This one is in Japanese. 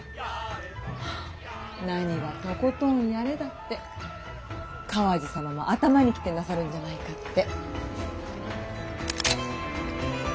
何が「トコトンヤレ」だって川路様も頭にきてなさるんじゃないかって。